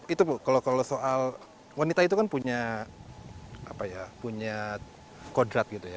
itu bu kalau soal wanita itu kan punya kodrat gitu ya